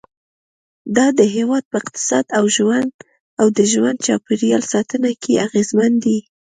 دا د هېواد په اقتصاد او د ژوند چاپېریال ساتنه کې اغیزمن دي.